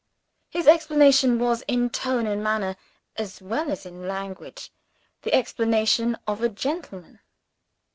His explanation was, in tone and manner as well as in language, the explanation of a gentleman.